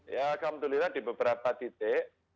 ya alhamdulillah di beberapa titik